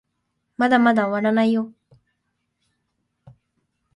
まだまだ終わらないよ